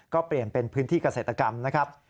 ก็เปลี่ยนเป็นพื้นที่เกษตรกรรมนะครับ